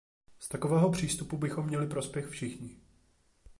Z takového přístupu bychom měli prospěch všichni.